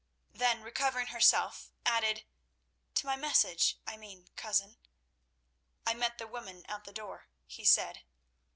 Then, recovering herself, added, "To my message, I mean, cousin." "I met the women at the door," he said.